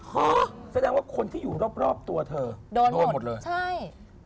ฮ๊าแสดงว่าคนที่อยู่รอบตัวเธอโดนหมดเลยหรอใช่